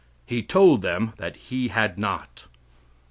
He told them that he had not.